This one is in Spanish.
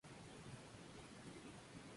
El tema principal fue producido por la banda.